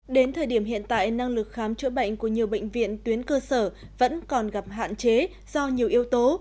đến thời điểm hiện tại năng lực khám chữa bệnh của nhiều bệnh viện tuyến cơ sở vẫn còn gặp hạn chế do nhiều yếu tố